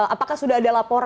apakah sudah ada laporan